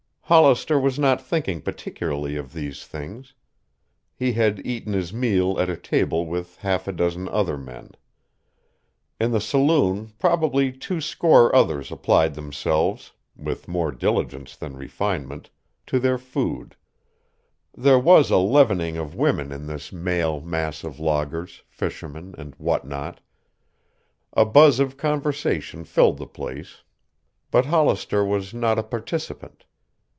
Hollister was not thinking particularly of these things. He had eaten his meal at a table with half a dozen other men. In the saloon probably two score others applied themselves, with more diligence than refinement, to their food. There was a leavening of women in this male mass of loggers, fishermen, and what not. A buzz of conversation filled the place. But Hollister was not a participant.